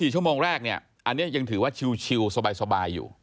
๔ชั่วโมงแรกเนี่ยอันนี้ยังถือว่าชิลสบายอยู่